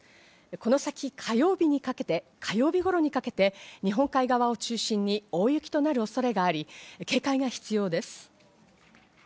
この先、火曜日にかけて火曜日頃にかけて日本海側を中心に大雪となる恐れがあり、警戒が必要です。